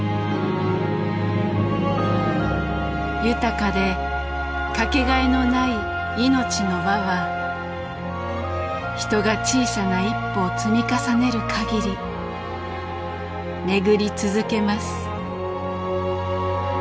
豊かで掛けがえのない命の輪は人が小さな一歩を積み重ねる限り巡り続けます。